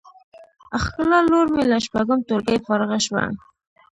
ښکلا لور می له شپږم ټولګی فارغه شوه